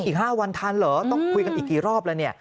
อีก๕วันทันเหรอต้องคุยกันอีกกี่รอบแล้วเนี่ย